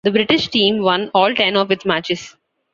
The British team won all ten of its matches.